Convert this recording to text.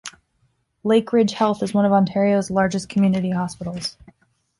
Lakeridge Health is one of Ontario's largest community hospitals.